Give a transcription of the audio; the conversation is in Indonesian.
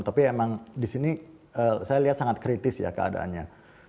tapi emang di sini saya lihat sangat kritis ya keadaannya